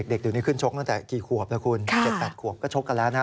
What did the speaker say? เด็กเดี๋ยวนี้ขึ้นชกตั้งแต่กี่ขวบแล้วคุณ๗๘ขวบก็ชกกันแล้วนะ